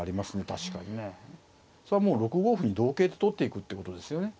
確かにね。それはもう６五歩に同桂と取っていくってことですよね。